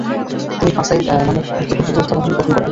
তিনি 'ফাসাইল নামক ক্ষুদ্র ক্ষুদ্র যোদ্ধাবাহিনী গঠন করেন।